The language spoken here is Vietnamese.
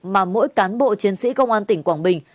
mà mỗi cán bộ chiến sĩ công an tỉnh quảng bình